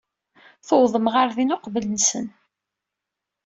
Tuwḍem ɣer din uqbel-nsen.